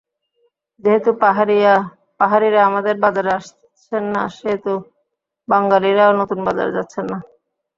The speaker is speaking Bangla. যেহেতু পাহাড়িরা আমাদের বাজারে আসছেন না, সেহেতু বাঙালিরাও নতুন বাজারে যাচ্ছেন না।